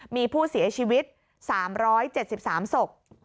มีผู้เสียชีวิต๓๗๓ศพ